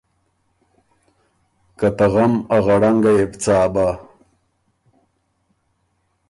که ته غم ا غړنګه يې بو څا بۀ۔